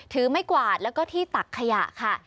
ถือไม้กวาดแล้วก็ที่ตักขยะค่ะ